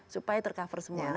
supaya tercover semua